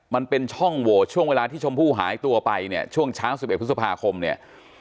มันเป็นช่องโหวตช่วงเวลาที่ชมพู่หายตัวไปเนี่ยช่วงเช้า๑๑พฤษภาคมเนี่ย